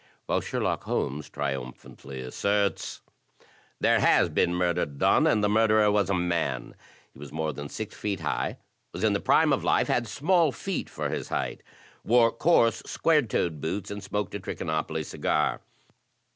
While Sherlock Holmes triumphantly asserts: "There has been murder done, and the murderer was a man. He was more than six feet high, was in the prime of life, had small feet for his height, wore coarse, square toed boots, and smoked a Trichinopoly cigar.